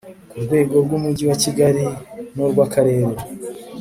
ku rwego rw umujyi wa kigali n urw akarere